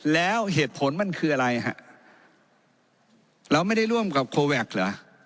แล้วเหตุผลมันคืออะไรฮะเราไม่ได้ร่วมกับโคแวคเหรอ